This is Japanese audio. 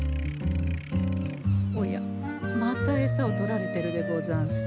おやまたエサを取られてるでござんす。